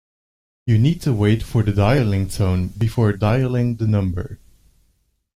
You need to wait for the dialling tone before dialling the number